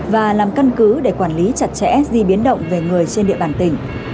và làm căn cứ để quản lý chặt chẽ di biến động về người trên địa bàn tỉnh